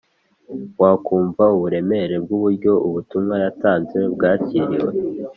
wakumva uburemere bw’uburyo ubutumwa yatanze bwakiriwe